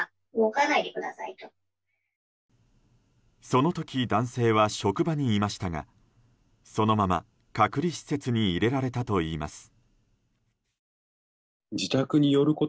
その時、男性は職場にいましたがそのまま隔離施設に入れられたといいます。